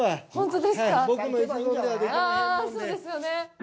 あぁ、そうですよね。